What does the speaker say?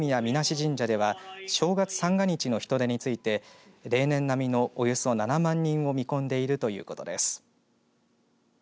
神社では正月三が日の人出について例年並みのおよそ７万人を見込んでいるということです。